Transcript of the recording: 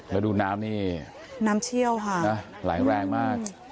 แล้วดูน้ำนี่น้ำเชี่ยวค่ะนะไหลแรงมาก